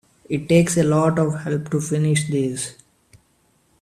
It takes a lot of help to finish these.